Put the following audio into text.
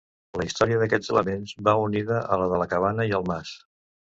La història d'aquests elements va unida a la de la cabana i el mas.